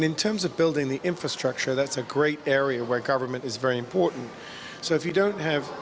perusahaan penyelenggara kegiatan ini global entrepreneurship networking berpendapat